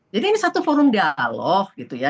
jadi ini satu forum dialog gitu ya